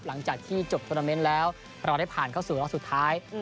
หลังจากที่จบโทรนาเมนต์แล้วเราได้ผ่านเข้าสู่รอบสุดท้าย